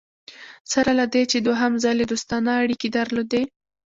سره له دې چې دوهم ځل یې دوستانه اړیکي درلودې.